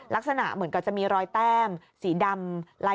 ลักษณะเหมือนกับจะมีรอยแต้มสีดำ